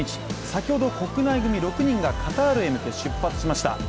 先ほど国内組６人が、カタールへ向け出発しました。